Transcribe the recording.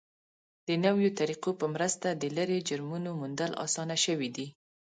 د نویو طریقو په مرسته د لرې جرمونو موندل اسانه شوي دي.